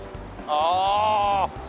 ああ。